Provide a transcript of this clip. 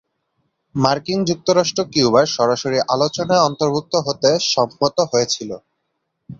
মার্কিন যুক্তরাষ্ট্র কিউবার সরাসরি আলোচনায় অন্তর্ভুক্ত হতে সম্মত হয়েছিল।